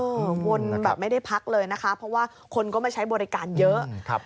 วนแบบไม่ได้พักเลยนะคะเพราะว่าคนก็มาใช้บริการเยอะครับ